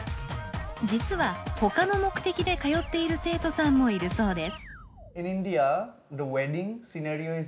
実は他の目的で通っている生徒さんもいるそうです。